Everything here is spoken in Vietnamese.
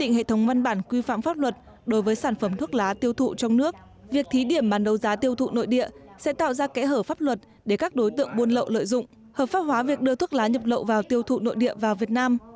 trong hệ thống văn bản quy phạm pháp luật đối với sản phẩm thuốc lá tiêu thụ trong nước việc thí điểm bán đấu giá tiêu thụ nội địa sẽ tạo ra kẽ hở pháp luật để các đối tượng buôn lậu lợi dụng hợp pháp hóa việc đưa thuốc lá nhập lậu vào tiêu thụ nội địa vào việt nam